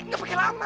gak pake lama